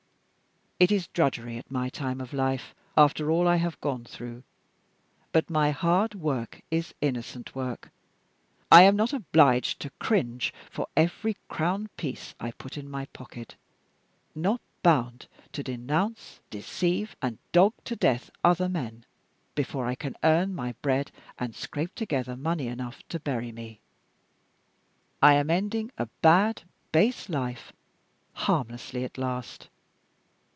It is drudgery, at my time of life, after all I have gone through but my hard work is innocent work. I am not obliged to cringe for every crown piece I put in my pocket not bound to denounce, deceive, and dog to death other men, before I can earn my bread, and scrape together money enough to bury me. I am ending a bad, base life harmlessly at last.